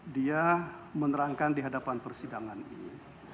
dia menerangkan dihadapan persidangan ini